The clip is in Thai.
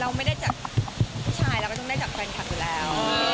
เราไม่ได้จากชายแล้วก็ต้องอย่างเท็ปที่แฟนทับอยู่แล้ว